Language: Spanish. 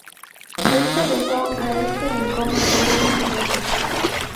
Esto dejó a Ste en coma por unos meses.